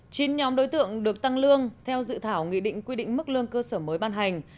chín nhóm đối tượng được tăng lương theo dự thảo nghị định quy định mức lương cơ sở mới ban hành